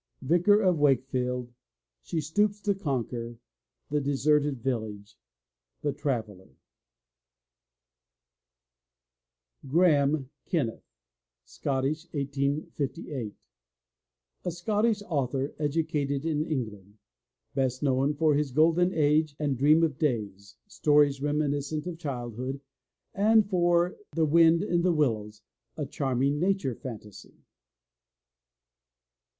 Vicar of Wakefield She Stoops to Conquer The Deserted Village The Traveller GRAHAME, KENNETH (Scottish, 1858 ) A Scottish author, educated in England. Best known for his Golden Age and Dream Days, stories reminiscent of childhood, and for The Wind in the Willows, a charming nature fantasy.